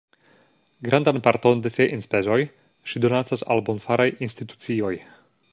Grandan parton de siaj enspezoj ŝi donacas al bonfaraj institucioj.